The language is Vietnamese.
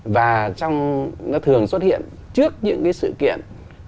và nó thường xuất hiện trước những sự kiện